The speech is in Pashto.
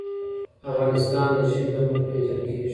افغانستان د ژمی له مخې پېژندل کېږي.